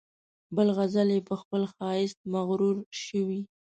بل غزل یې په خپل ښایست مغرور شوی.